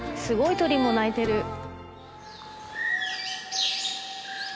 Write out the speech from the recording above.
すごい鳥も鳴いてる。